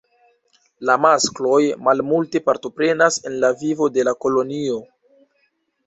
La maskloj malmulte partoprenas en la vivo de la kolonio.